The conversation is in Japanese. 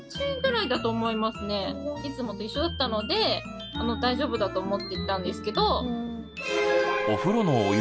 いつもと一緒だったので大丈夫だと思っていたんですけど。